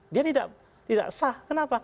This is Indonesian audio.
dia tidak sah kenapa